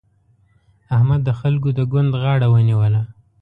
احمد د خلګو د ګوند غاړه ونيوله.